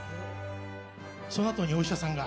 そのあとにお医者さんが。